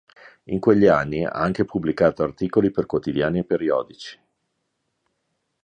In quegli anni ha anche pubblicato articoli per quotidiani e periodici.